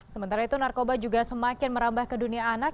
sementara itu narkoba juga semakin merambah ke dunia anak